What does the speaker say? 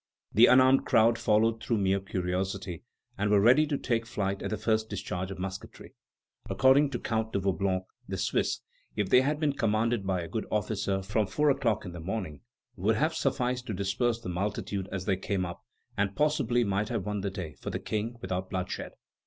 The unarmed crowd followed through mere curiosity, and were ready to take flight at the first discharge of musketry. According to Count de Vaublanc, the Swiss, if they had been commanded by a good officer from four o'clock in the morning, would have sufficed to disperse the multitude as they came up, and possibly might have won the day for the King without bloodshed.